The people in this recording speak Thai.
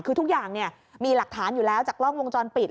คือทุกอย่างมีหลักฐานอยู่แล้วจากกล้องวงจรปิด